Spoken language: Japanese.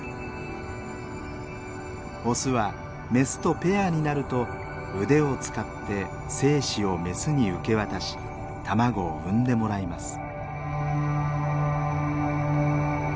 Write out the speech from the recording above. オスはメスとペアになると腕を使って精子をメスに受け渡し卵を産んでもらいます。